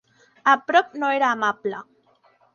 A prop no era amable.